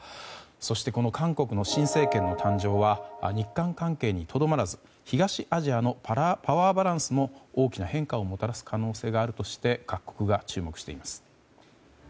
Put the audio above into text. そして、この韓国の新政権の誕生は日韓関係にとどまらず東アジアのパワーバランスにも大きな変化をもたらす可能性があるとして各国が注目しています。